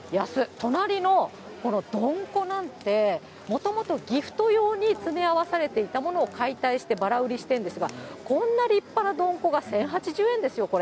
隣のどんこなんて、もともとギフト用に詰め合わされていたものを解体してばら売りしてるんですが、こんな立派などんこが１０８０円ですよ、これ。